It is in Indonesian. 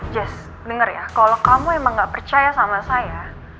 jazz bener ya kalau kamu emang gak percaya sama saya